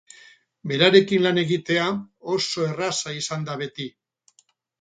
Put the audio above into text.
Berarekin lan egitea oso erreza izan da beti.